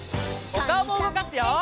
おかおもうごかすよ！